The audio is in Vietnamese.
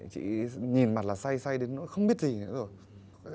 chị nhìn mặt là say say đến không biết gìurf